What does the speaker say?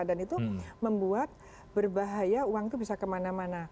dan itu membuat berbahaya uang itu bisa kemana mana